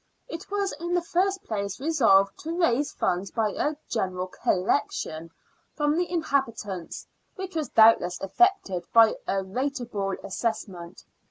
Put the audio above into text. It was in the first place resolved to raise funds by a general " collection " from the inhabi tants, which was doubtless effected by a rateable assess ment.